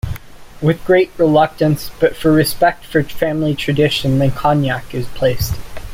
With great reluctance but for respect for family tradition the cognac is placed.